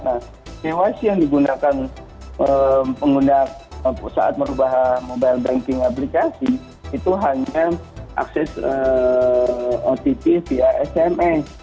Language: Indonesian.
nah kyc yang digunakan pengguna saat merubah mobile banking aplikasi itu hanya akses ott via sms